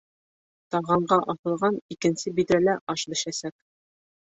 Тағанға аҫылған икенсе биҙрәлә аш бешәсәк.